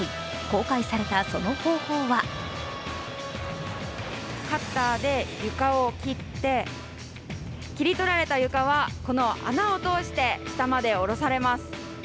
公開されたその方法はカッターで床を切って切り取られた床はこの穴を通して下まで下ろされます。